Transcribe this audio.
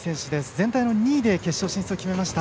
全体の２位で決勝進出を決めました。